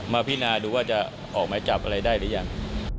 พินาดูว่าจะออกหมายจับอะไรได้หรือยัง